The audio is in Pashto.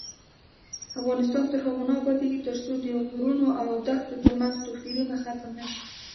افغانستان تر هغو نه ابادیږي، ترڅو د غرونو او دښتو ترمنځ توپیرونه ختم نشي.